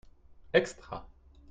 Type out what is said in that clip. Extra.